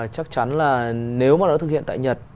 chắc chắn là nếu mà nó thực hiện tại nhật